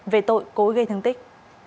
về tội cố gây thương tích